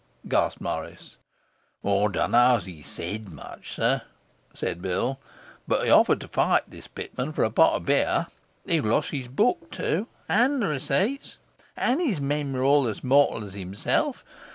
gasped Morris. 'I don't know as he SAID much, sir,' said Bill. 'But he offered to fight this Pitman for a pot of beer. He had lost his book, too, and the receipts, and his men were all as mortal as himself.